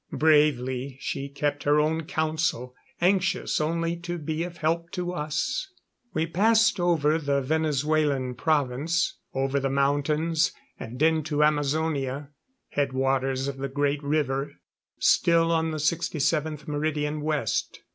Bravely she kept her own counsel, anxious only to be of help to us. We passed over the Venezuelan Province, over the mountains and into Amazonia, headwaters of the great river still on the 67th Meridian West.